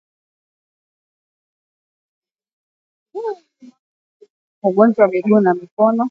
Wanyama wadhaifu kiafya hupata maambukizi kwa haraka ya ugonjwa wa miguu na midomo